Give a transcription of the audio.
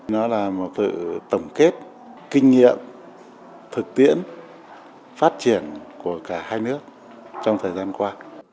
nó là một sự tổng kết kinh nghiệm thực tiễn phát triển của cả hai nước trong thời gian qua